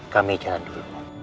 kami jalan dulu